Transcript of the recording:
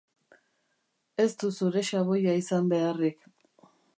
Ez du zure xaboia izan beharrik.